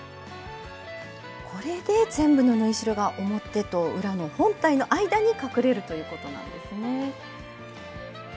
これで全部の縫い代が表と裏の本体の間に隠れるということなんですね。